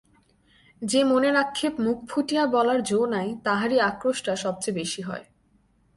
যে মনের আক্ষেপ মুখ ফুটিয়া বলিবার জো নাই তাহারই আক্রোশটা সব চেয়ে বেশি হয়।